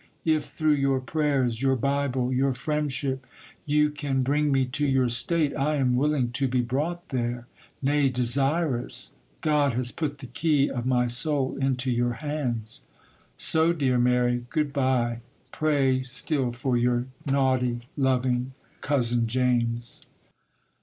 If, through your prayers, your Bible, your friendship, you can bring me to your state, I am willing to be brought there,—nay, desirous. God has put the key of my soul into your hands. 'So, dear Mary, good bye! Pray still for your naughty, loving 'COUSIN JAMES.